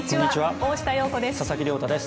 大下容子です。